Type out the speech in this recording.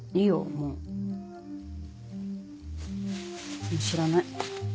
もう知らない。